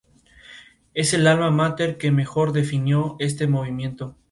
Las calles laterales presentan esculturas de San Pablo Ermitaño y San Joaquín.